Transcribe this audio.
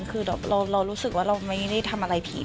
คือเรารู้สึกว่าเราไม่ได้ทำอะไรผิด